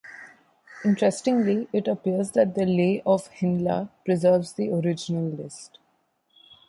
Interestingly, it appears that Lay of Hyndla preserves the original list.